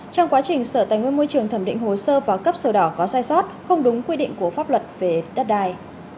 trong quá trình sở tài nguyên môi trường thẩm định hồ sơ và cấp sổ đỏ có sai sót không đúng quy định của pháp luật về đất đai